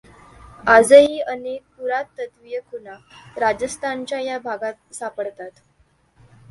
आजही अनेक पुरातत्त्वीय खुणा राजस्थानच्या या भागात सापडतात.